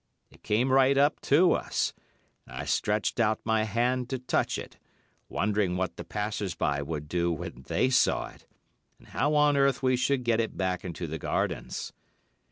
It came right up to us, and I stretched out my hand to touch it, wondering what the passers by would do when they saw it, and how on earth we should get it back into the gardens.